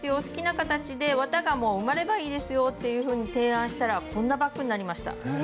好きな形で綿が埋まればいいですよっていうふうに提案したらこんなバッグになりました。